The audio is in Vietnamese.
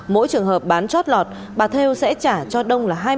mỗi trường hợp bán chót lọt bà theo sẽ trả cho đông